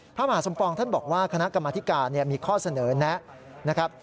พระมหาสมปองท่านบอกว่าคณะกรรมธิการมีข้อเสนอแนะนะครับ